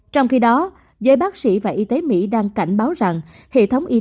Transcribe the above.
trong khi đó giới bác sĩ và y tế mỹ đang cảnh báo rằng